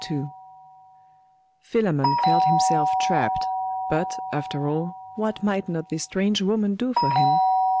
Philammon felt himself trapped; but, after all, what might not this strange woman do for him?